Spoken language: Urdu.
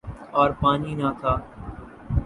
اور پانی نہ تھا۔